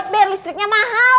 biar listriknya mahal